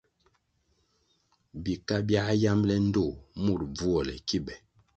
Bika biā yambʼle ndtoh mur bvuole ki be.